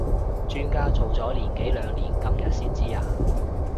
磚家做咗年幾兩年今日先知呀？